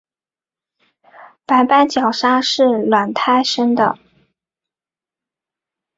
白斑角鲨是卵胎生的。